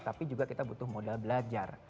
tapi juga kita butuh modal belajar